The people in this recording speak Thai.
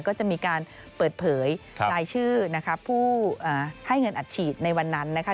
ก็จะมีการเปิดเผยรายชื่อนะคะผู้ให้เงินอัดฉีดในวันนั้นนะคะ